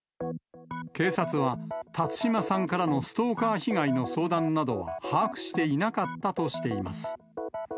警察は、辰島さんからのストーカー被害の相談などは把握していなかったとしています。